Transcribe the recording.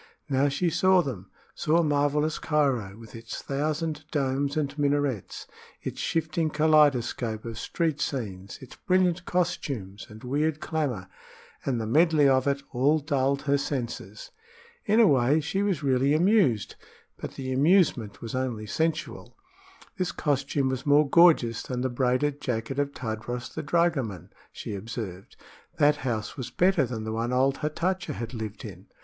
Now she saw them saw marvelous Cairo, with its thousand domes and minarets, its shifting kaleidoscope of street scenes, its brilliant costumes and weird clamor and the medley of it all dulled her senses. In a way she was really amused; but the amusement was only sensual. This costume was more gorgeous than the braided jacket of Tadros the dragoman, she observed; that house was better than the one old Hatatcha had lived in.